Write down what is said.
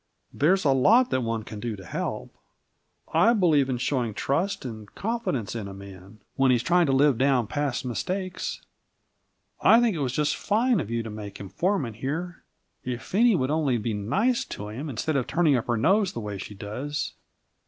"There's a lot that one can do to help. I believe in showing trust and confidence in a man, when he's trying to live down past mistakes. I think it was just fine of you to make him foreman here! If Phenie would only be nice to him, instead of turning up her nose the way she does!